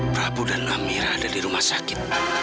prabu dan amira ada di rumah sakit